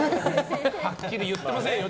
はっきり言ってませんよ